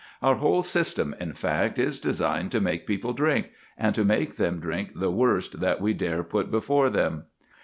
Our whole system, in fact, is designed to make people drink, and to make them drink the worst that we dare put before them.